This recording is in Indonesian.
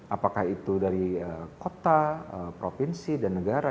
apakah itu dari kota provinsi dan negara